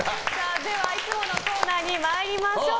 ではいつものコーナーに参りましょう。